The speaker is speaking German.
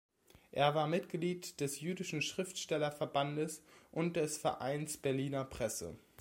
Er war Mitglied des jüdischen Schriftstellerverbandes und des Vereins Berliner Presse.